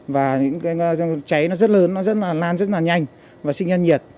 và những cái cháy nó rất lớn nó rất là lan rất là nhanh và sinh nhan nhiệt